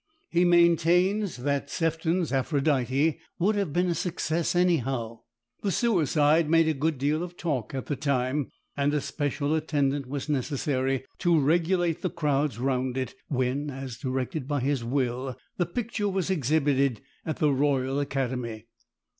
He maintains that Sefton's "Aphrodite" would have been a success anyhow. The suicide made a good deal of talk at the time, and a special attend ant was necessary to regulate the crowds round it, when, as directed by his will, the picture was exhibited at the Royal Academy.